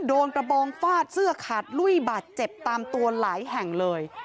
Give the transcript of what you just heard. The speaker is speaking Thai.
โดนกระบองฟาดเสื้อขาดลุ้ยบาดเจ็บตามตัวหลายแห่งเลย